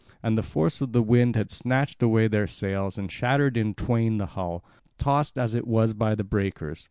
And the force of the wind had snatched away their sails and shattered in twain the hull, tossed as it was by the breakers.